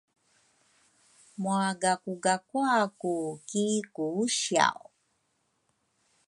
Mwagakugakwa ku ki kusiaw